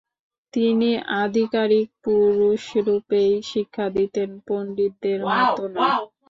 তিনি আধিকারিক পুরুষরূপেই শিক্ষা দিতেন, পণ্ডিতদের মত নয়।